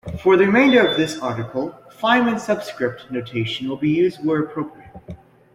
For the remainder of this article, Feynman subscript notation will be used where appropriate.